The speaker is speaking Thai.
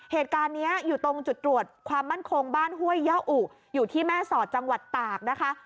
เหตุการณ์นี้อยู่ตรงจุดตรวจความมั่นคงบ้านห้วยย่าอุอยู่ที่แม่สอดจังหวัดตากนะคะ